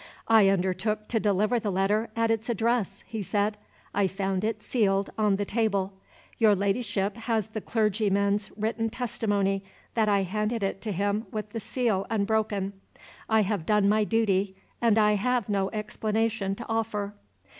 "I undertook to deliver the letter at its address," he said. "I found it, sealed, on the table. Your Ladyship has the clergyman's written testimony that I handed it to him with the seal unbroken. I have done my duty; and I have no explanation to offer."